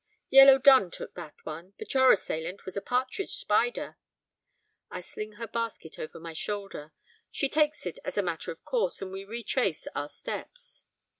'Yellow dun took that one, but your assailant was a partridge spider.' I sling her basket over my shoulder; she takes it as a matter of course, and we retrace our steps.